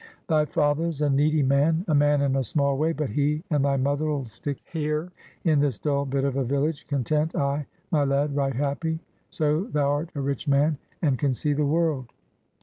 Thy father's a needy man, a man in a small way, but he and thy mother'll stick here in this dull bit of a village, content, ay, my lad, right happy, so thou'rt a rich man, and can see the world!